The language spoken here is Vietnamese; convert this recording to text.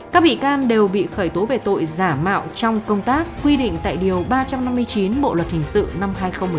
các bị can đều bị khởi tố về tội giả mạo trong công tác quy định tại điều ba trăm năm mươi chín bộ luật hình sự năm hai nghìn một mươi năm